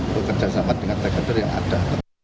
bekerjasama dengan takater yang ada